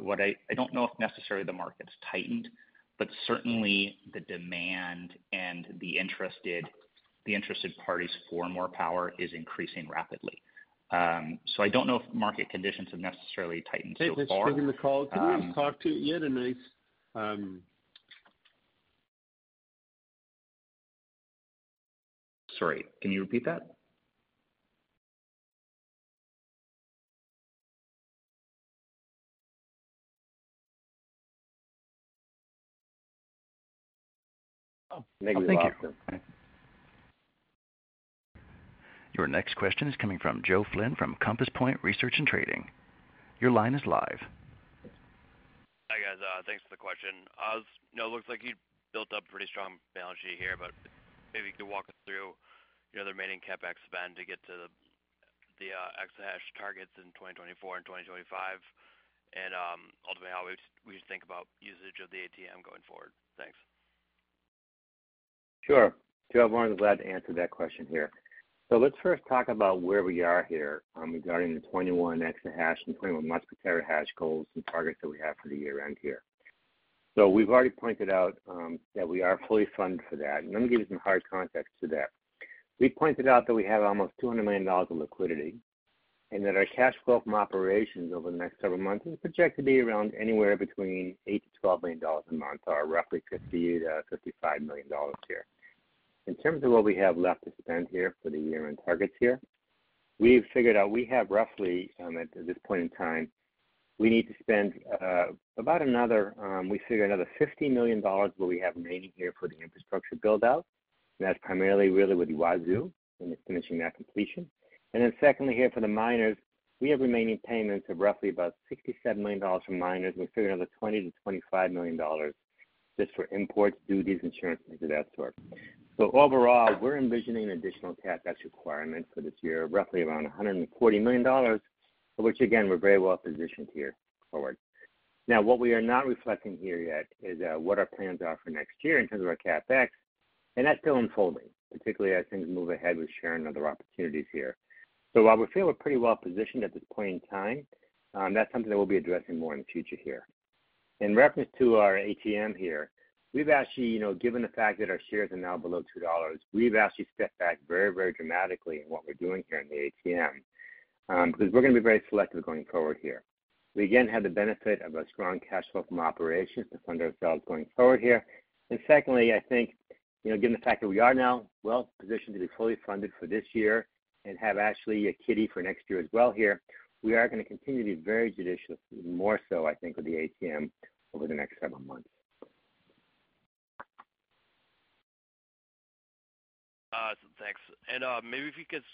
I don't know if necessarily the market's tightened, but certainly the demand and the interested parties for more power is increasing rapidly. So I don't know if market conditions have necessarily tightened so far. Hey, thanks for taking the call. Can you talk to yet a nice. Sorry, can you repeat that? Oh, thank you. Your next question is coming from Joe Flynn from Compass Point Research & Trading. Your line is live. Hi, guys, thanks for the question. As, you know, it looks like you built up pretty strong balance sheet here, but maybe you could walk us through, you know, the remaining CapEx spend to get to the exahash targets in 2024 and 2025, and ultimately how we think about usage of the ATM going forward. Thanks. Sure. Joe, I'm more than glad to answer that question here. So let's first talk about where we are here, regarding the 21 exahash and 21 exahash goals and targets that we have for the year-end here. So we've already pointed out, that we are fully funded for that, and let me give you some hard context to that. We pointed out that we have almost $200 million in liquidity, and that our cash flow from operations over the next several months is projected to be around anywhere between $8 million-$12 million a month, or roughly $50 million-$55 million here. In terms of what we have left to spend here for the year-end targets here, we've figured out we have roughly, at this point in time, we need to spend about another, we figure another $50 million, what we have remaining here for the infrastructure build-out. That's primarily really with Yguazu and finishing that completion. And then secondly, here for the miners, we have remaining payments of roughly about $67 million from miners. We figure another $20 million-$25 million just for imports, duties, insurance, and things of that sort. So overall, we're envisioning an additional CapEx requirement for this year, roughly around $140 million, for which again, we're very well positioned here forward. Now, what we are not reflecting here yet is what our plans are for next year in terms of our CapEx, and that's still unfolding, particularly as things move ahead with sharing other opportunities here. So while we feel we're pretty well positioned at this point in time, that's something that we'll be addressing more in the future here. In reference to our ATM here, we've actually, you know, given the fact that our shares are now below $2, we've actually stepped back very, very dramatically in what we're doing here in the ATM, because we're gonna be very selective going forward here. We again have the benefit of a strong cash flow from operations to fund ourselves going forward here. Secondly, I think, you know, given the fact that we are now well positioned to be fully funded for this year and have actually a kitty for next year as well here, we are gonna continue to be very judicious, more so I think with the ATM over the next several months. Awesome, thanks. Maybe if you could,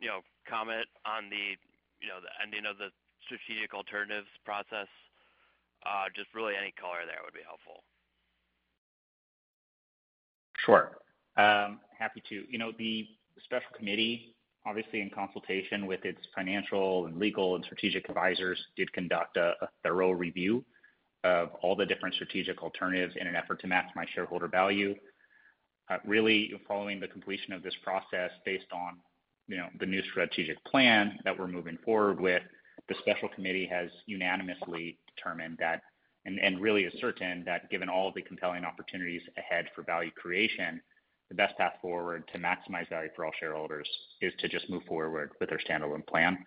you know, comment on the, you know, the ending of the strategic alternatives process, just really any color there would be helpful. Sure, happy to. You know, the special committee, obviously in consultation with its financial and legal and strategic advisors, did conduct a thorough review of all the different strategic alternatives in an effort to maximize shareholder value. Really, following the completion of this process, based on, you know, the new strategic plan that we're moving forward with, the special committee has unanimously determined that really is certain, that given all the compelling opportunities ahead for value creation, the best path forward to maximize value for all shareholders is to just move forward with our standalone plan.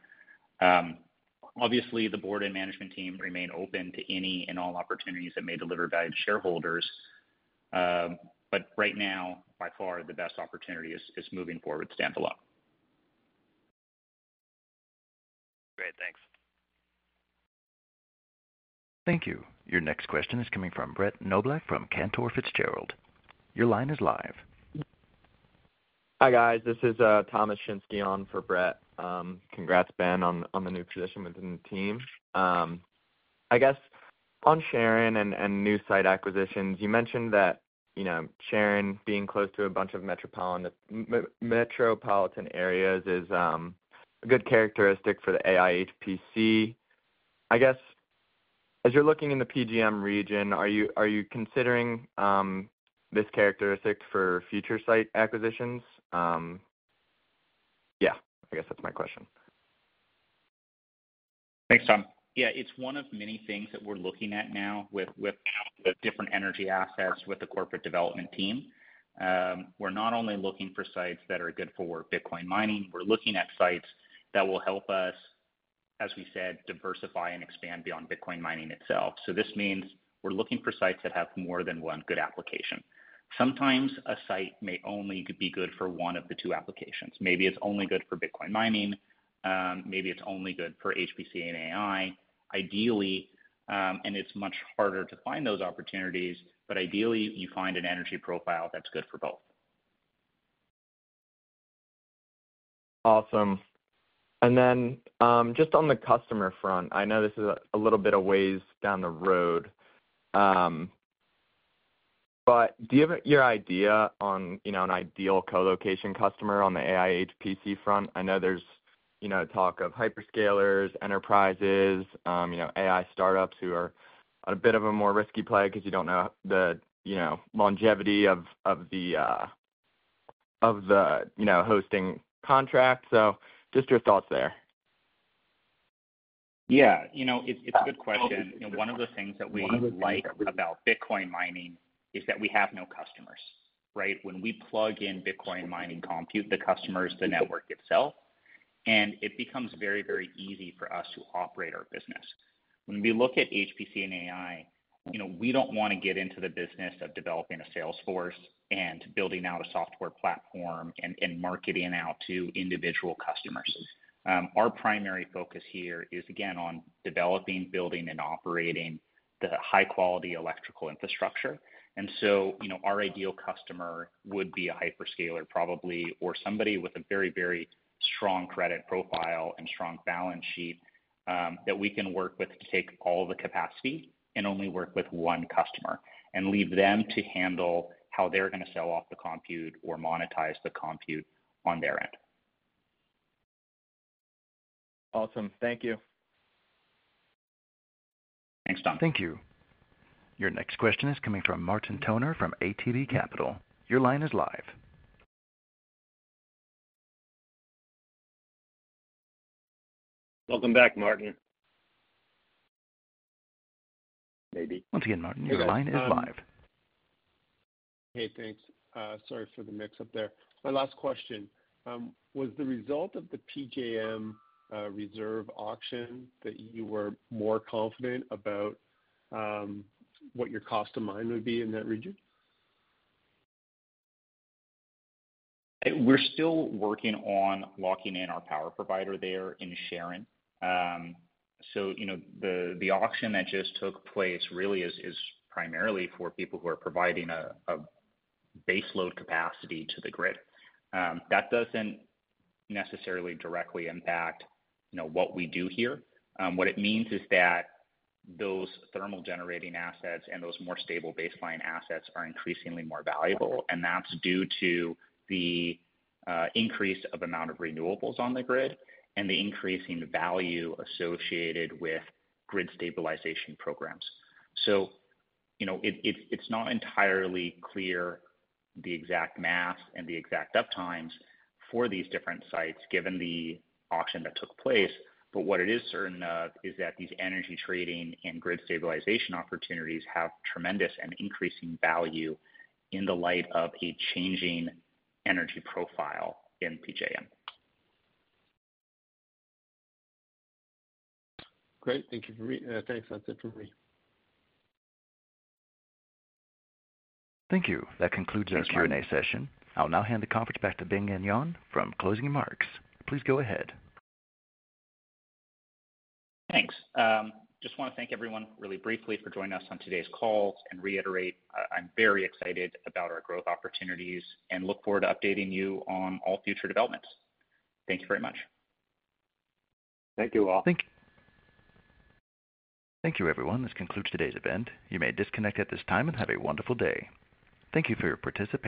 Obviously, the board and management team remain open to any and all opportunities that may deliver value to shareholders, but right now, by far, the best opportunity is moving forward with standalone. Great. Thanks. Thank you. Your next question is coming from Brett Knoblauch from Cantor Fitzgerald. Your line is live. Hi, guys. This is Thomas Shinske on for Brett. Congrats, Ben, on the new position within the team. I guess on Sharon and new site acquisitions, you mentioned that, you know, Sharon being close to a bunch of metropolitan areas is a good characteristic for the AI HPC. I guess, as you're looking in the PJM region, are you considering this characteristic for future site acquisitions? Yeah, I guess that's my question. Thanks, Tom. Yeah, it's one of many things that we're looking at now with different energy assets with the corporate development team. We're not only looking for sites that are good for Bitcoin mining, we're looking at sites that will help us, as we said, diversify and expand beyond Bitcoin mining itself. So this means we're looking for sites that have more than one good application. Sometimes a site may only be good for one of the two applications. Maybe it's only good for Bitcoin mining, maybe it's only good for HPC and AI. Ideally, and it's much harder to find those opportunities, but ideally, you find an energy profile that's good for both. Awesome. And then, just on the customer front, I know this is a little bit of ways down the road, but do you have your idea on, you know, an ideal colocation customer on the AI HPC front? I know there's, you know, talk of hyperscalers, enterprises, you know, AI startups who are a bit of a more risky play because you don't know the, you know, longevity of the hosting contract. So just your thoughts there. Yeah. You know, it's a good question. You know, one of the things that we like about Bitcoin mining is that we have no customers, right? When we plug in Bitcoin mining compute, the customer is the network itself, and it becomes very, very easy for us to operate our business. When we look at HPC and AI, you know, we don't wanna get into the business of developing a sales force and building out a software platform and marketing out to individual customers. Our primary focus here is, again, on developing, building, and operating the high-quality electrical infrastructure. You know, our ideal customer would be a hyperscaler, probably, or somebody with a very, very strong credit profile and strong balance sheet, that we can work with to take all the capacity and only work with one customer, and leave them to handle how they're gonna sell off the compute or monetize the compute on their end. Awesome. Thank you. Thanks, Tom. Thank you. Your next question is coming from Martin Toner from ATB Capital. Your line is live. Welcome back, Martin. Maybe. Once again, Martin, your line is live. Hey, thanks. Sorry for the mix-up there. My last question was the result of the PJM reserve auction that you were more confident about what your cost of mining would be in that region? We're still working on locking in our power provider there in Sharon. So, you know, the auction that just took place really is primarily for people who are providing a baseload capacity to the grid. That doesn't necessarily directly impact, you know, what we do here. What it means is that those thermal generating assets and those more stable baseline assets are increasingly more valuable, and that's due to the increase of amount of renewables on the grid and the increasing value associated with grid stabilization programs. So, you know, it's not entirely clear, the exact math and the exact uptimes for these different sites, given the auction that took place, but what it is certain of is that these energy trading and grid stabilization opportunities have tremendous and increasing value in the light of a changing energy profile in PJM. Great. Thank you, thanks. That's it for me. Thank you. That concludes our Q&A session. I'll now hand the conference back to Ben Gagnon from closing remarks. Please go ahead. Thanks. Just wanna thank everyone really briefly for joining us on today's call and reiterate, I'm very excited about our growth opportunities and look forward to updating you on all future developments. Thank you very much. Thank you, all. Thank you, everyone. This concludes today's event. You may disconnect at this time, and have a wonderful day. Thank you for your participation.